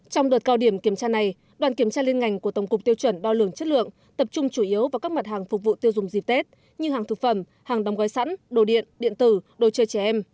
trong đợt cao điểm kiểm tra này đoàn kiểm tra liên ngành của tổng cục tiêu chuẩn đo lường chất lượng tập trung chủ yếu vào các mặt hàng phục vụ tiêu dùng dịp tết như hàng thực phẩm hàng đóng gói sẵn đồ điện điện tử đồ chơi trẻ em